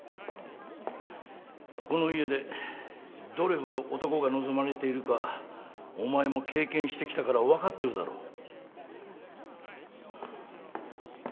この家でどれほど男が望まれているかお前も経験してきたから分かってるだろう？